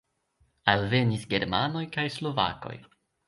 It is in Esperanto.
Alvenis germanoj kaj slovakoj.